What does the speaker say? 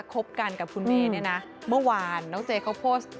คบกันกับคุณเมย์เนี่ยนะเมื่อวานน้องเจเขาโพสต์